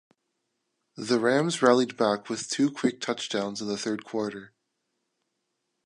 The Rams rallied back with two quick touchdowns in the third quarter.